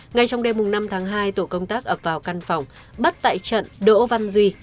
ngay trong đêm năm tháng hai tổ công tác ập vào căn phòng bắt tại trận đỗ văn duy